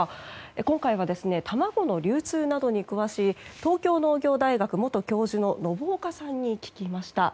今回は、卵の流通などに詳しい東京農業大学元教授の信岡さんに聞きました。